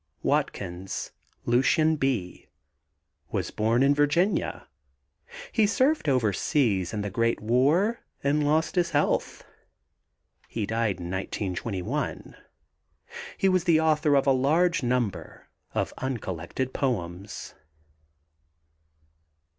WATKINS, LUCIAN B., was born in Virginia. He served overseas in the great war and lost his health. He died in 1921. He was the author of a large number of uncollected poems.